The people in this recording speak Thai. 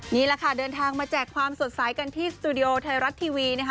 นี่แหละค่ะเดินทางมาแจกความสดใสกันที่สตูดิโอไทยรัฐทีวีนะคะ